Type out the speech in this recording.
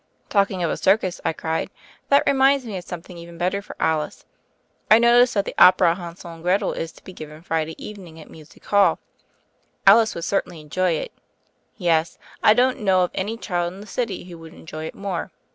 "Talking of a circus," I cried, "that reminds me of something even better for Alice. I no tice that the opera 'Hansel and Gretel' is to be given Friday evening at Music Hall. Alice would certainly enjoy it. Yes, I don't know of any child in the city who would enjoy it more.